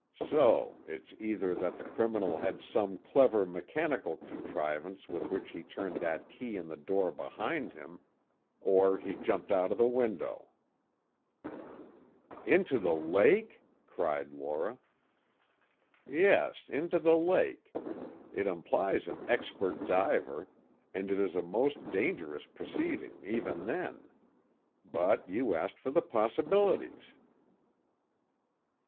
So it's either that the criminal had some clever mechanical contrivance with which he turned that key in the door behind him, or he jumped out of the window." "Into the lake!" cried Lora. "Yes, into the lake. It implies an expert diver, and it is a most dangerous proceeding, even then. But you asked for the possibilities."